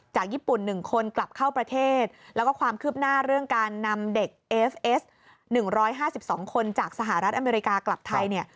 ญี่ปุ่น๑คนกลับเข้าประเทศแล้วก็ความคืบหน้าเรื่องการนำเด็กเอฟเอส๑๕๒คนจากสหรัฐอเมริกากลับไทยเนี่ย